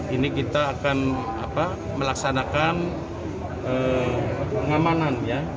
ini kita akan melaksanakan pengamanan